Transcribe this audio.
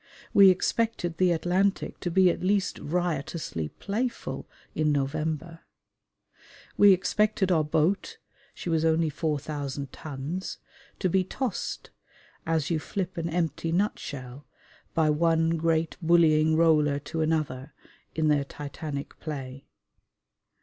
We expected the Atlantic to be at least riotously playful in November. We expected our boat (she was only 4,000 tons) to be tossed, as you flip an empty nutshell, by one great bullying roller to another, in their titanic play.